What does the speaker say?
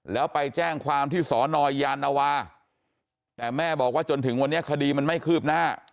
แล้วไปแจ้งความที่สอนอยานวาแต่แม่บอกว่าจนถึงวันนี้คดีมันไม่คืบหน้า